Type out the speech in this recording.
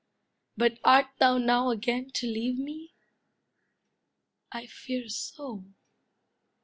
But art thou now again to leave me? I fear so.